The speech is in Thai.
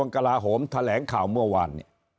กล่าห่มแทรกข่าวเมื่อวาน